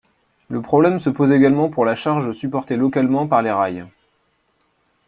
Le problème se pose également pour la charge supportée localement par les rails.